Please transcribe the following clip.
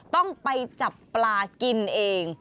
ต้องไปจับปลากินเอง